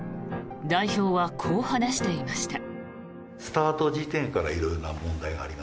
代表は、こう話していました。